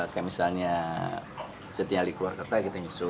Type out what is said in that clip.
kayak misalnya zeti yang keluar ke tadi gitu nyusul